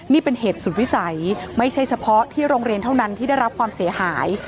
นี่เป็นเหตุสุดวิสัยไม่ใช่เฉพาะที่โรงเรียนเท่านั้นที่ได้รับความเสียหาย